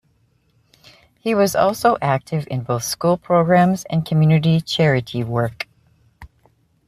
He was also active in both school programs and community charity work.